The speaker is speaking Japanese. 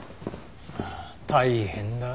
大変だな。